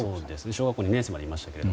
小学２年生までいましたけど。